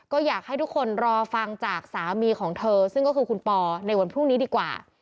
ก็อยากให้ทุกคนรอฟังจากสามีของเธอซึ่งก็คือคุณปอในวันพรุ่งนี้ดีกว่า